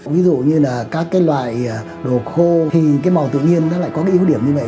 ví dụ như là các cái loài đồ khô thì cái màu tự nhiên nó lại có cái ưu điểm như vậy